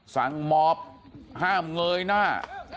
สั่งหมอบห้ามเงยหน้า